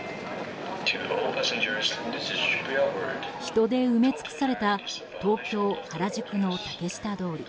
人で埋め尽くされた東京・原宿の竹下通り。